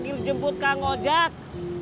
saya lagi jemput kang ojak